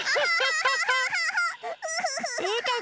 うーたん